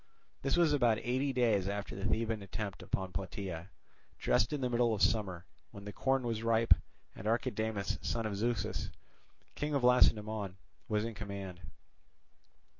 This was about eighty days after the Theban attempt upon Plataea, just in the middle of summer, when the corn was ripe, and Archidamus, son of Zeuxis, king of Lacedaemon, was in command.